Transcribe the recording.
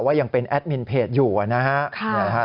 ยังเป็นแอดมินเพจอยู่นะฮะ